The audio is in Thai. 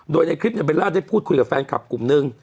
โดยในคลิปเนี่ยเบลล่าได้พูดคุยกับแฟนคลับกลุ่มนึง